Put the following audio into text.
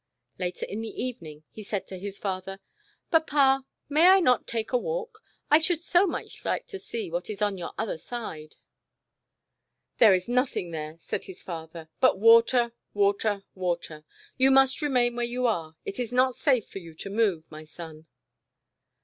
Later in the evening he said to his father :" Papa, may I not take a walk ? I should so much like to see what is on your other side." 2i6 The Disobedient Island. "There is nothing there," said his father, '* but water, water, water. You must remain where you are, it is not safe for you to move, my son."